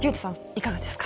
いかがですか？